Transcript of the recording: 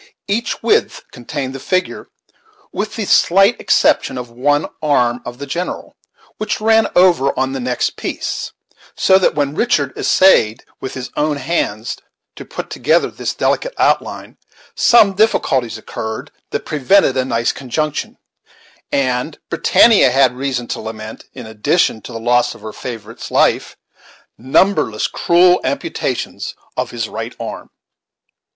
Each width contained the figure, with the slight exception of one arm of the general, which ran over on the next piece, so that when Richard essayed, with his own hands, to put together this delicate outline, some difficulties occurred that prevented a nice conjunction; and Britannia had reason to lament, in addition to the loss of her favorite's life, numberless cruel amputations of his right arm.